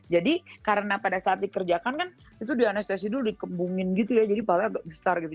jadi karena pada saat dikerjakan kan itu di anestesi dulu dikembungin gitu ya jadi kepala agak besar gitu